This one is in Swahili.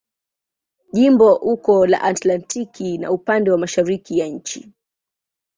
Jimbo uko la Atlantiki na upande wa mashariki ya nchi.